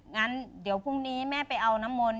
งั้นเดี๋ยวพรุ่งนี้แม่ไปเอาน้ำมนต